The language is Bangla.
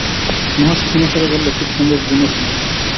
নুহাশ ক্ষীণ স্বরে বলল, খুব সম্ভব শুনছে।